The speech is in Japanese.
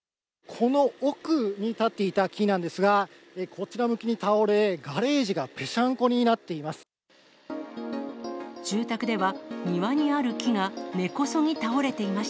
この奥に立っていた木なんですが、こちら向きに倒れ、ガレージがぺしゃんこになっています。